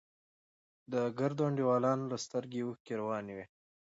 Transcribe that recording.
د ګردو انډيوالانو له سترگو اوښکې روانې وې.